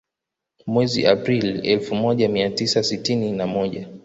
Mwezi Aprili elfu moja mia tisa sitini na moja